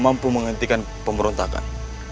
mampu menghentikan pemberontakan